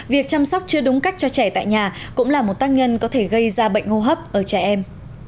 việc chăm sóc chưa đúng cách cho trẻ tại nhà cũng là một tác nhân có thể gây ra bệnh hô hấp ở trẻ em